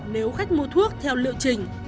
nếu khách mua thuốc theo liệu trình